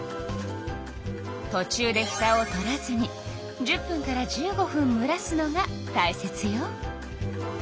とちゅうでふたを取らずに１０分から１５分むらすのがたいせつよ。